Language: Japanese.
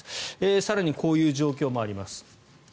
更にこういう状況もあります。